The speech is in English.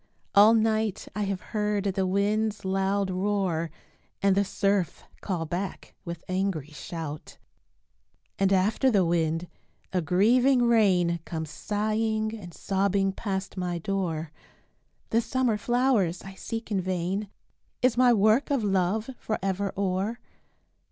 All night I have heard the wind's loud roar, And the surf call back with angry shout. And after the wind a grieving rain Comes sighing and sobbing past my door, "The summer flowers I seek in vain, Is my work of love forever o'er?"